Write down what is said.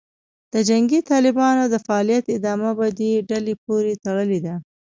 د جنګي طالبانو د فعالیت ادامه په دې ډلې پورې تړلې ده